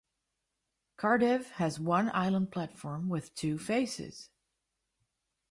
Cardiff has one island platform with two faces.